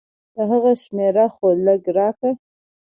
د هغه شميره خو لګه راکه.